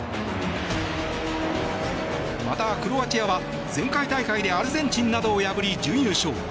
また、クロアチアは前回大会でアルゼンチンなどを破り準優勝。